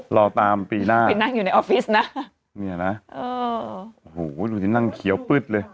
รอตามปีหน้าไปนั่งอยู่ในออฟฟิศนะเนี่ยนะเออโอ้โหดูสินั่งเขียวปึ๊ดเลย